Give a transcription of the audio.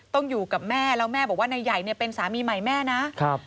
ต้องอยู่กับแม่แล้วแม่บอกว่านายใหญ่เป็นสามีใหม่แม่นะ